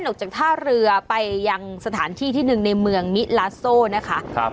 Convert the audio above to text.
ออกจากท่าเรือไปยังสถานที่ที่หนึ่งในเมืองมิลาโซนะคะครับ